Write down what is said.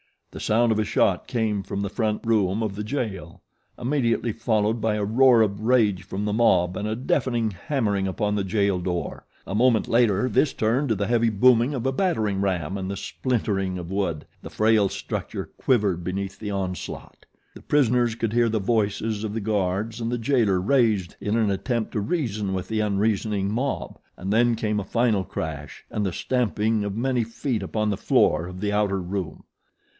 The sound of a shot came from the front room of the jail, immediately followed by a roar of rage from the mob and a deafening hammering upon the jail door. A moment later this turned to the heavy booming of a battering ram and the splintering of wood. The frail structure quivered beneath the onslaught. The prisoners could hear the voices of the guards and the jailer raised in an attempt to reason with the unreasoning mob, and then came a final crash and the stamping of many feet upon the floor of the outer room.